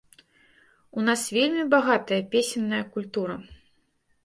У нас вельмі багатая песенная культура.